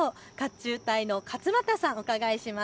甲冑隊の勝又さんにお伺いします。